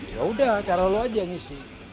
ya udah cara lu aja yang isi